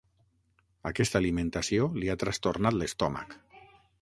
Aquesta alimentació li ha trastornat l'estómac.